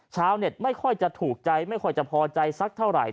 ชาวเน็ตไม่ค่อยจะถูกใจไม่ค่อยจะพอใจสักเท่าไหร่